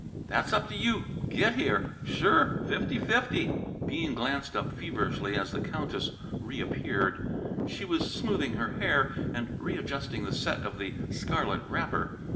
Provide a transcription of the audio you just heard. That's up to you. Git here! Sure fifty fifty!" Bean glanced up feverishly as the Countess reappeared. She was smoothing her hair and readjusting the set of the scarlet wrapper.